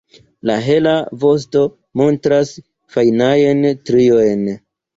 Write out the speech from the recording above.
La hela vosto montras fajnajn striojn.